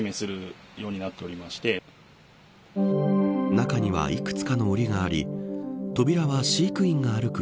中にはいくつかのおりがあり扉は、飼育員が歩く